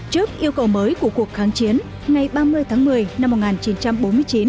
trước yêu cầu mới của cuộc kháng chiến ngày ba mươi tháng một mươi năm một nghìn chín trăm bốn mươi chín